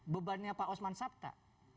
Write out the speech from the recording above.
bebannya pak osman sabta